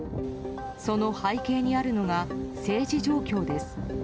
その背景にあるのが政治状況です。